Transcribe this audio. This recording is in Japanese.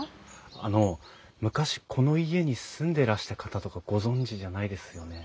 あの昔この家に住んでらした方とかご存じじゃないですよね？